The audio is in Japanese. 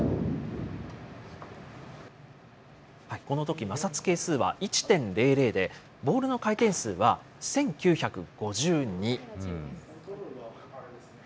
このとき、摩擦係数は１．００で、ボールの回転数は１９５２。